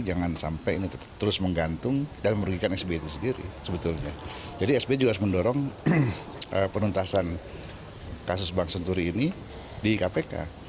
jangan sampai ini terus menggantung dan merugikan sby itu sendiri sebetulnya jadi sbi juga harus mendorong penuntasan kasus bank senturi ini di kpk